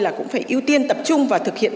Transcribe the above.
là cũng phải ưu tiên tập trung và thực hiện